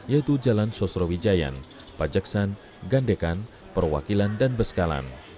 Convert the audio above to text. yaitu jalan sosrowijayan pajaksan gandekan perwakilan dan beskalan